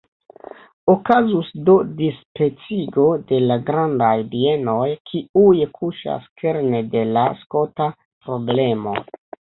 Okazus do dispecigo de la grandaj bienoj, kiuj kuŝas kerne de la skota problemo.